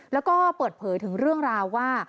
แล้วก็เปิดเผยถึงเรื่องราวว่า